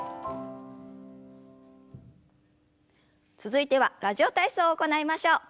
続いては「ラジオ体操」を行いましょう。